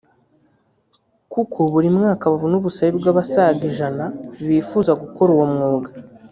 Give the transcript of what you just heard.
kuko buri mwaka babona ubusabe bw’abasaga ijana bifuza gukora uwo mwuga